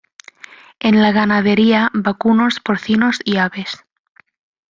En la ganadería: vacunos, porcinos y aves.